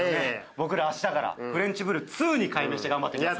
僕ら明日からフレンチぶる２に改名して頑張っていきます。